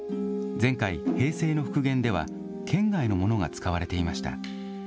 前回、平成の復元では県外のものが使われていました。